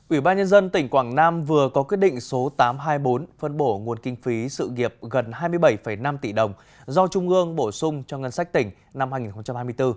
ủy ban nhân dân tỉnh quảng nam vừa có quyết định số tám trăm hai mươi bốn phân bổ nguồn kinh phí sự nghiệp gần hai mươi bảy năm tỷ đồng do trung ương bổ sung cho ngân sách tỉnh năm hai nghìn hai mươi bốn